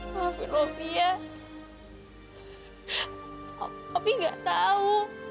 tapi saya tidak tahu